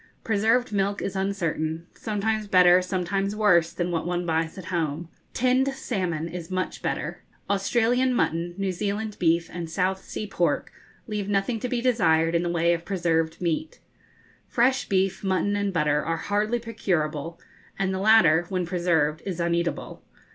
Preserved milk is uncertain sometimes better, sometimes worse, than what one buys at home. Tinned salmon is much better. Australian mutton, New Zealand beef, and South Sea pork, leave nothing to be desired in the way of preserved meat. Fresh beef, mutton, and butter are hardly procurable, and the latter, when preserved, is uneatable.